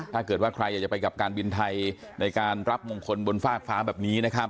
ถ้าเกิดว่าใครอยากจะไปกับการบินไทยในการรับมงคลบนฟากฟ้าแบบนี้นะครับ